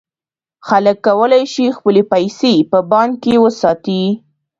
خلک کولای شي خپلې پیسې په بانک کې وساتي.